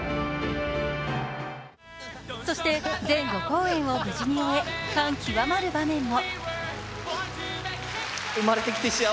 そして、全５公演を無事に終え、感極まる場面も。